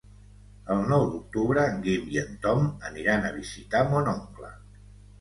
El nou d'octubre en Guim i en Tom aniran a visitar mon oncle.